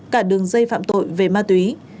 cả đường dây phạm tội về ma túy